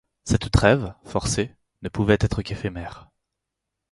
Cette trêve, forcée, ne pouvait être qu'éphémère.